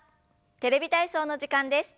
「テレビ体操」の時間です。